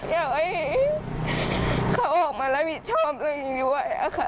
อยากให้เขาออกมารับผิดชอบเรื่องนี้ด้วยค่ะ